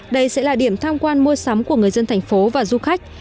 đây sẽ là điểm tham quan mua sắm của người dân thành phố và du khách